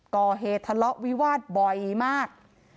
ก่อเหตุทะเลาะวิวาสบ่อยมาก